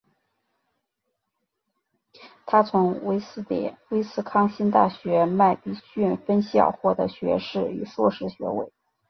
他从威斯康辛大学麦迪逊分校获得学士与硕士学位。